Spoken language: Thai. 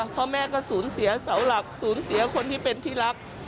พ่อแม่ก็สูญเสียเสาหลักสูญเสียคนที่เป็นที่รัก